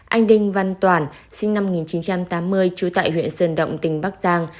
anh đinh văn toản sinh năm một nghìn chín trăm tám mươi trú tại huyện sơn động tỉnh bắc giang